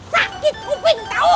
sakit kuping tau